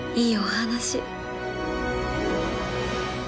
いいお話。